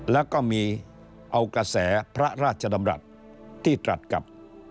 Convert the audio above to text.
แล้วก็มีเอากระแสพระราชดำรัฐที่ตรัสกับ